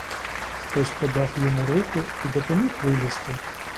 Хтось подав йому руку і допоміг вилізти.